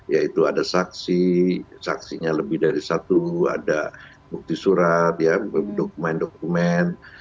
yaitu ada saksi saksinya lebih dari satu ada bukti surat dokumen dokumen